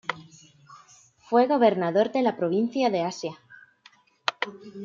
Fue gobernador de la provincia de Asia.